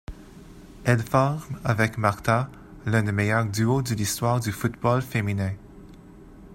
Elle forme, avec Marta, l'un des meilleurs duos de l'histoire du football féminin.